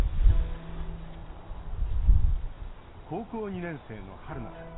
高校２年生の、はるなさん。